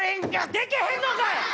でけへんのかい！